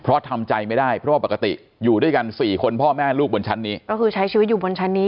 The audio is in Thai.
เพราะทำใจไม่ได้เพราะว่าปกติอยู่ด้วยกันสี่คนพ่อแม่ลูกบนชั้นนี้ก็คือใช้ชีวิตอยู่บนชั้นนี้